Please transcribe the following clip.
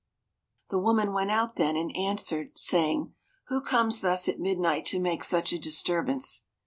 The woman went out then and answered, saying, "Who comes thus at midnight to make such a disturbance?"